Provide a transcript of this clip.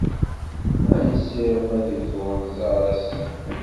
Ad nessirem ad iwet unẓar ass-a.